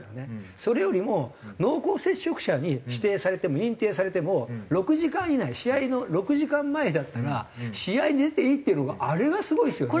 それよりも濃厚接触者に指定されても認定されても６時間以内試合の６時間前だったら試合に出ていいっていうのがあれがすごいですよね。